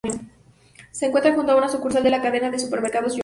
Se encuentra junto a una sucursal de la cadena de supermercados Jumbo.